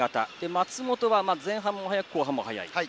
松元は前半も速く、後半も速い。